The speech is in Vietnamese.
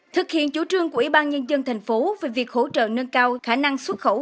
thực hiện chủ trương của ủy ban nhân dân thành phố về việc hỗ trợ nâng cao khả năng xuất khẩu